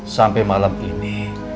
sampai malam ini